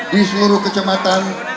di seluruh kecematan